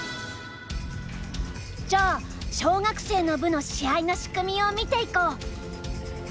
じゃあ小学生の部の試合の仕組みを見ていこう。